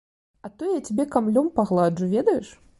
А то я цябе камлём пагладжу, ведаеш?